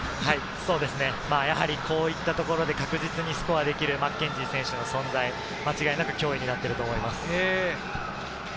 そうですね、こういったところで確実にスコアできるマッケンジー選手の存在、間違いなく脅威にな